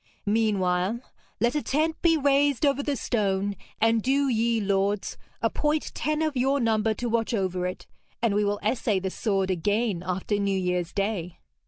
Meanwhile, let a tent be raised over the stone, and do ye lords appoint ten of your number to watch over it, and we will essay the sword again after New Year's Day.'